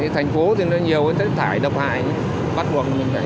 thành phố thì nó nhiều cái thải độc hại bắt buộc như thế này